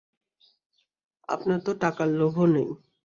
আপনার তো টাকার লোভও নেই।